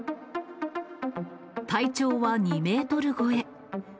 体長は２メートル超え。